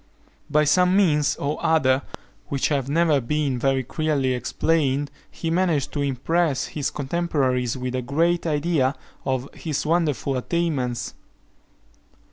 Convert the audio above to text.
By some means or other, which have never been very clearly explained, he managed to impress his contemporaries with a great idea of his wonderful attainments.